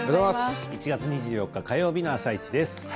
１月２４日火曜日の「あさイチ」です。